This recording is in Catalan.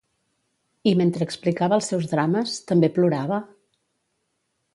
I mentre explicava els seus drames, també plorava?